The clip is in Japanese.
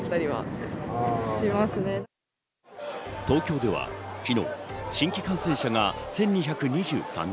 東京では昨日を新規感染者が１２２３人。